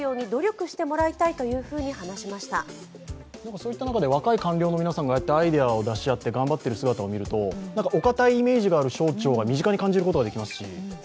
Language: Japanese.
そういった中で、若い官僚の皆さんが、ああやってアイデアを出し合って頑張っている姿をみるとお堅いイメージがある省庁を身近に感じることができますね。